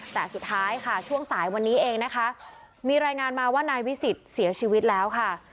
แต่สุดท้ายค่ะช่วงสายวันนี้เองนะคะมีรายงานมาว่านายวิสิทธิ์เสียชีวิตแล้วค่ะ